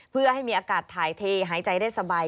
เพื่อให้มีอากาศถ่ายเทหายใจได้สบาย